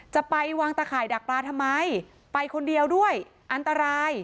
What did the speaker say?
จะไปวางตะข่ายดักปลาทำไมไปคนเดียวด้วยอันตราย